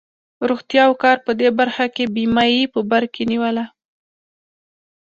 روغتیا او کار په برخه کې بیمه یې په بر کې نیوله.